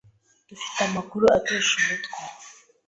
Dufite amakuru atesha umutwe.